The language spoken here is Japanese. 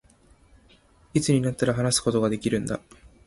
いつになったら、話すことができるんだ